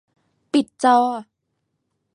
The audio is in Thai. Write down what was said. ปิดจอ